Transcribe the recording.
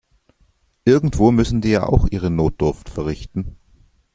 Irgendwo müssen die ja auch ihre Notdurft verrichten.